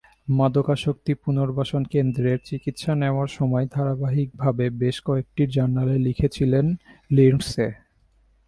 মাদকাসক্তি পুনর্বাসন কেন্দ্রে চিকিৎসা নেওয়ার সময় ধারাবাহিকভাবে বেশ কয়েকটি জার্নালে লিখেছিলেন লিন্ডসে।